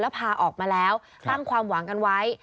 พาออกมาแล้วตั้งความหวังกันไว้